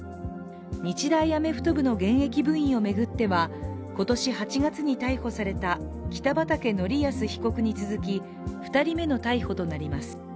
日大アメフト部の現役部員を巡っては今年８月に逮捕された北畠成文被告に続き２人目の逮捕となります。